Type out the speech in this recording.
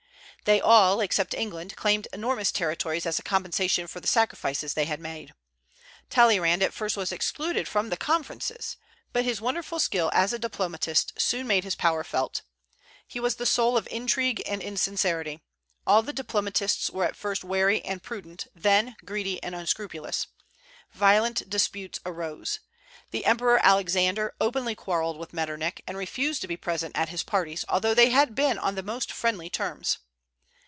They all, except England, claimed enormous territories as a compensation for the sacrifices they had made. Talleyrand at first was excluded from the conferences; but his wonderful skill as a diplomatist soon made his power felt. He was the soul of intrigue and insincerity. All the diplomatists were at first wary and prudent, then greedy and unscrupulous. Violent disputes arose. The Emperor Alexander openly quarrelled with Metternich, and refused to be present at his parties, although they had been on the most friendly terms.